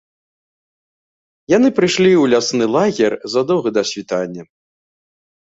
Яны прыйшлі ў лясны лагер задоўга да світання.